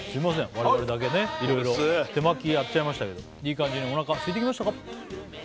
我々だけいろいろ手巻きやっちゃいましたけどいい感じにお腹はすいてきましたか？